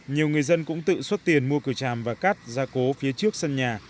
nhiều người dân cũng tự xuất tiền mua cừu tràm và cắt ra cố phía trước sân nhà